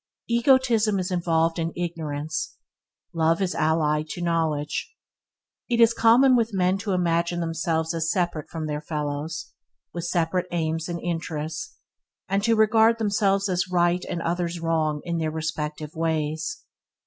Egotism is involved in ignorance; love is allied to knowledge. It is common with men to imagine themselves as separate from their fellows, with separate aims and interests; and to regard themselves as right and others wrong in their respective ways.